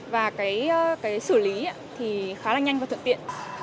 và cái xử lý thì khá là nhanh và thuận tiện